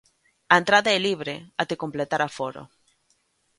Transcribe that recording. A entrada é libre até completar aforo.